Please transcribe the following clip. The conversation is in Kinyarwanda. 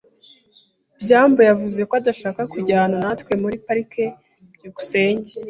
byambo yavuze ko adashaka kujyana natwe muri parike. byukusenge